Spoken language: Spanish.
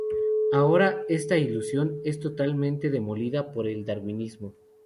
Ahora, esta ilusión es totalmente demolida por el darwinismo.